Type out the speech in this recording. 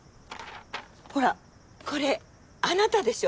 ほらこれあなたでしょ？